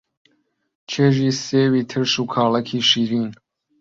چێژی سێوی ترش و کاڵەکی شیرین